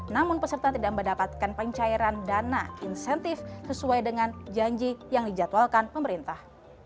namun peserta tidak mendapatkan pencairan dana insentif sesuai dengan janji yang dijadwalkan pemerintah